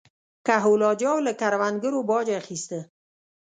کهول اجاو له کروندګرو باج اخیسته.